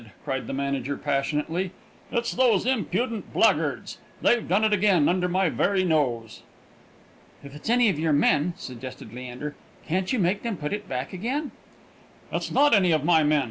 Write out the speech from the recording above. cried the manager, passionately; "it's those impudent blackguards.... They've done it under my very nose!" "If it's any of your men," suggested Leander, "can't you make them put it back again?" "It's not any of my men.